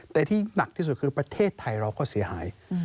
แต่ที่หนักที่สุดคือประเทศไทยเราก็เสียหาย